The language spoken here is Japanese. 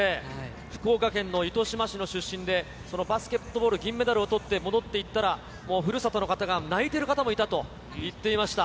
福岡県の糸島市の出身で、バスケットボール銀メダルをとって戻っていったら、もうふるさとの方が泣いてる方もいたと言っていました。